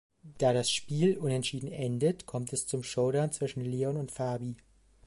Da das Spiel unentschieden endet, kommt es zum Showdown zwischen Leon und Fabi.